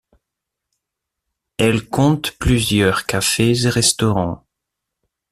Elle compte plusieurs cafés et restaurants.